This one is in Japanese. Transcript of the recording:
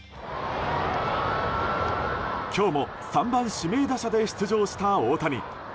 今日も３番指名打者で出場した大谷。